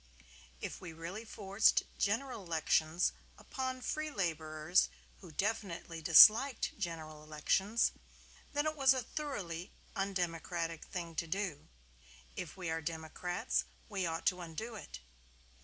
If we really forced General Elections upon free laborers who definitely disliked General Elections, then it was a thoroughly undemocratic thing to do; if we are democrats we ought to undo it.